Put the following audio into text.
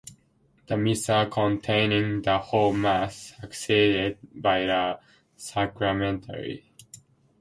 The Missal, containing the whole Mass, succeeded by the Sacramentary.